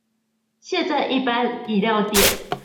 現在一般飲料店